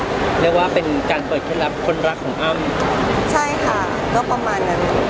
เรียกว่าเป็นการเปิดเคล็ดลับคนรักของอ้ำใช่ค่ะก็ประมาณนั้น